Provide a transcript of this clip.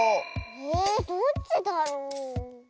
えどっちだろう？